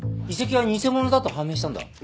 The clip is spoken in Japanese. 遺跡は偽物だと判明したんだ。